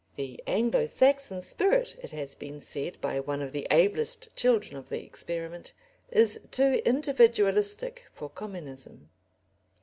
The Anglo Saxon spirit, it has been said by one of the ablest children of the experiment, is too individualistic for communism.